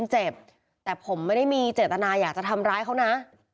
เจ็บแต่ผมไม่ได้มีเจตนาอยากจะทำร้ายเขานะ